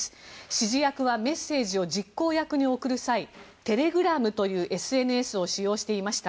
指示役はメッセージを実行役に送る際テレグラムというＳＮＳを使用していました。